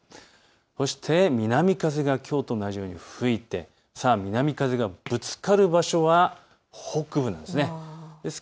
そして南風がきょうと同じように吹いて南風がぶつかる場所は北部なんです。